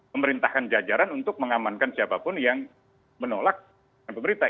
memerintahkan jajaran untuk mengamankan siapapun yang menolak pemerintah